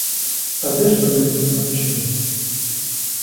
А де ж би ми тут навчились?